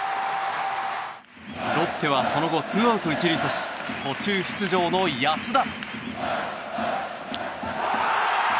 ロッテは、その後ツーアウト１塁とし途中出場の安田。